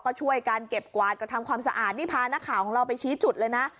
ก็ช่วยการเก็บกวาดก็ทำความสะอาดนี่พานักข่าวของเราไปชี้จุดเลยนะ